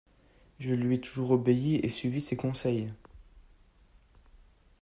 Je lui ai toujours obéi et suivi ses conseils.